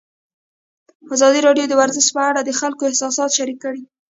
ازادي راډیو د ورزش په اړه د خلکو احساسات شریک کړي.